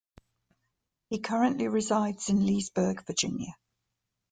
He currently resides in Leesburg, Virginia.